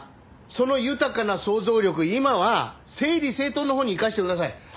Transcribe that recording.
その豊かな創造力を今は整理整頓のほうに生かしてください。